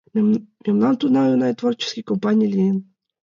...Мемнан тунам оҥай творческий компаний лийын.